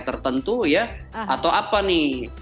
tertentu ya atau apa nih